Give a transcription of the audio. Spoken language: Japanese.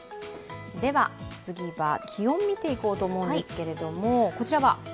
次は気温を見ていこうと思うんですけれども、こちらは？